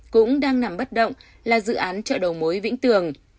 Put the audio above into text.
cũng đang nằm bất động là dự án chợ đầu mối vĩnh tường